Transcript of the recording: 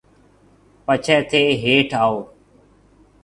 پڇيَ ٿَي هيٺ آئون۔